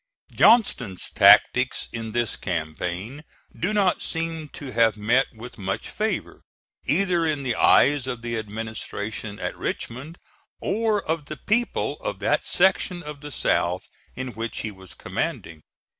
Johnston's tactics in this campaign do not seem to have met with much favor, either in the eyes of the administration at Richmond, or of the people of that section of the South in which he was commanding.